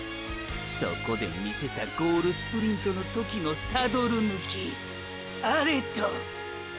そこで見せたゴールスプリントの時のサドル抜きあれと。